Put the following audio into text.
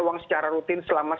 uang secara rutin selama satu dua